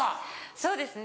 そうですね